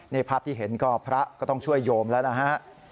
นี่ภาพที่เห็นก็พระก็ต้องช่วยโยมแล้วนะฮะ